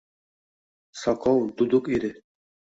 Soqov duduq edi